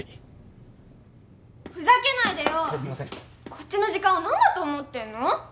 こっちの時間を何だと思ってんの！？